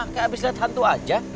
kayak habis lihat hantu aja